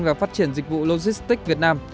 và phát triển dịch vụ logistics việt nam